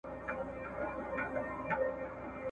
نه د جنډۍ په ننګولو د بابا سمېږي`